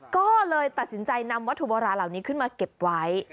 ก็เลยตัดสินใจนำวัตถุโบราณเหล่านี้ขึ้นมาเก็บไว้